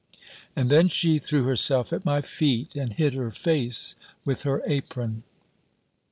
And then she threw herself at my feet, and hid her face with her apron.